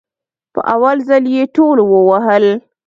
په اول ځل يي ټول ووهل